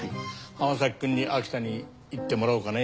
浜崎君に秋田に行ってもらおうかね。